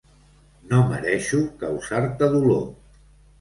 No mereixo causar-te dolor.